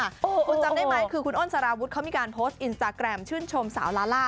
คุณจำได้ไหมคือคุณอ้นสารวุฒิเขามีการโพสต์อินสตาแกรมชื่นชมสาวลาล่า